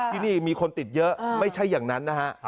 ที่นี่มีคนติดเยอะไม่ใช่อย่างนั้นนะฮะ